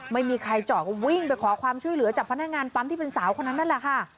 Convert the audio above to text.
ไม่มีใครจอดก็วิ่งไปขอความช่วยเหลือจากพนักงานปั๊มที่เป็นสาวคนนั้นนั่นแหละค่ะ